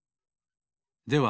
では